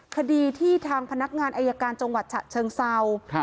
คดีที่ทางพนักงานอายการจังหวัดฉะเชิงเศร้า